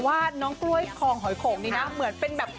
ว่าน้องกล้วยคลองหอยโคงดีนะ